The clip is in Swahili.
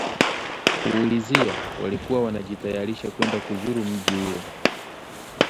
Kuulizia, walikuwa wanajitayarisha kwenda kuzuru mji ule